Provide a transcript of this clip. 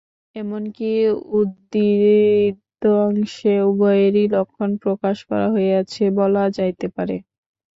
এমন কি, উদ্ধৃতাংশে উভয়েরই লক্ষণ প্রকাশ করা হইয়াছে, বলা যাইতে পারে।